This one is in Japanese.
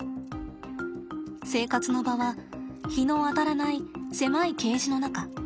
生活の場は日の当たらない狭いケージの中。